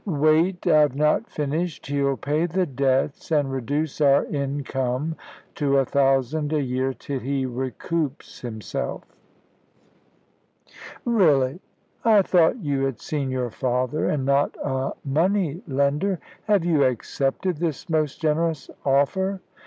"Wait, I've not finished. He'll pay the debts, and reduce our income to a thousand a year till he recoups himself." "Really! I thought you had seen your father, and not a money lender. Have you accepted this most generous offer?"